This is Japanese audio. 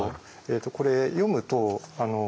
これ読むと。